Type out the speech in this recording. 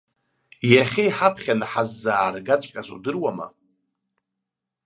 Иахьа иҳаԥхьаны ҳаззааргаҵәҟьаз удыруама?